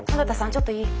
ちょっといい？